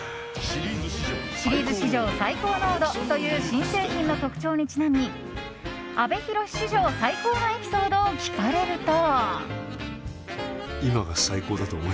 シリーズ史上最高濃度という新製品の特徴にちなみ阿部寛史上最高のエピソードを聞かれると。